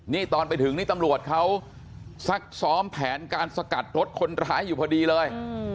นี่ตอนไปถึงนี่ตำรวจเขาซักซ้อมแผนการสกัดรถคนร้ายอยู่พอดีเลย